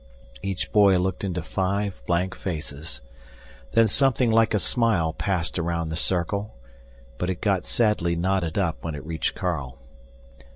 Each boy looked into five blank faces. Then something like a smile passed around the circle, but it got sadly knotted up when it reached Carl.